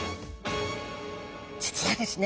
実はですね